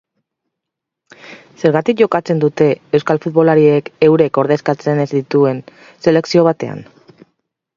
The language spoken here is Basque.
Zergatik jokatzen dute euskal futbolariek eurek ordezkatzen ez dituen selekzio batean?